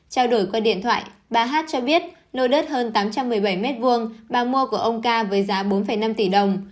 trao đổi qua điện thoại bà hát cho biết lô đất hơn tám trăm một mươi bảy m hai bà mua của ông ca với giá bốn năm tỷ đồng